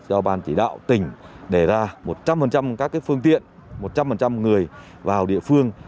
do ban chỉ đạo tỉnh để ra một trăm linh các phương tiện một trăm linh người vào địa phương